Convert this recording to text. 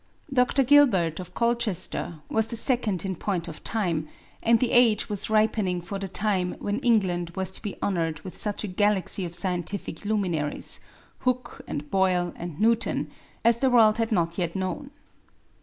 Dr. Gilbert, of Colchester, was the second in point of time, and the age was ripening for the time when England was to be honoured with such a galaxy of scientific luminaries Hooke and Boyle and Newton as the world had not yet known.